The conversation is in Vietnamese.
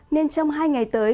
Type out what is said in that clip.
nên trong hai ngày tới